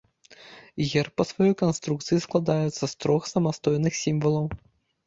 Герб па сваёй канструкцыі складаецца з трох самастойных сімвалаў.